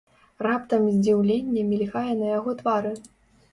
Раптам здзіўленне мільгае на яго твары.